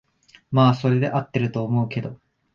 まあそれで合ってると思うけど